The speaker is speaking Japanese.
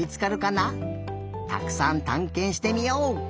たくさんたんけんしてみよう！